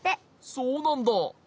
そうなんだ。